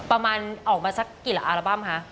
ประมาณออกมาสักกี่ละอัลบั้มคะ